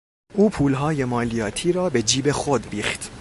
او پولهای مالیاتی را به جیب خود ریخت.